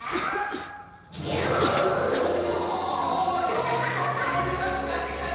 どんどんきょうりゅうらしくなってきたぞ。